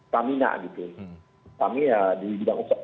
pamina di bidang usaha